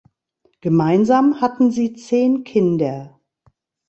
Gemeinsam hatten sie zehn Kinder.